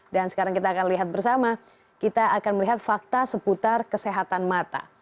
dan sekarang kita akan lihat bersama kita akan melihat fakta seputar kesehatan mata